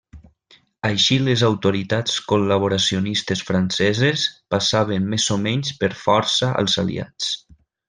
Així les autoritats col·laboracionistes franceses passaven més o menys per força als aliats.